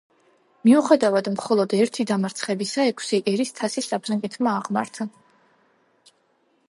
მიუხედავად, მხოლოდ ერთი დამარცხებისა, ექვსი ერის თასი საფრანგეთმა აღმართა.